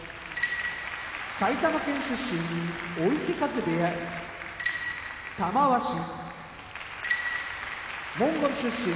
埼玉県出身追手風部屋玉鷲モンゴル出身片男波部屋